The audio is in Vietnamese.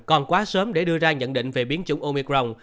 còn quá sớm để đưa ra nhận định về biến chủng omicron